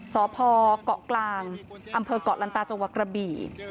สพเกาะกลางอำเภอกเกาะลันตาเจาะวกรบี